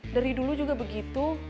dari dulu juga begitu